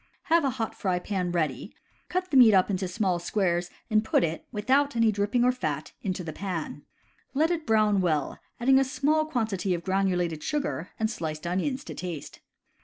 Have a hot fry pan ready, cut the meat up into small squares and put it (without any dripping or fat) into the pan. Let it brown well, adding a small quantity of granulated sugar, and sliced onions to taste.